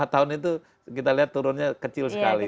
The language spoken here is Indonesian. lima tahun itu kita lihat turunnya kecil sekali